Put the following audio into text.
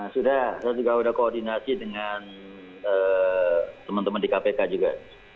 sudah saya juga sudah koordinasi dengan teman teman di kpk juga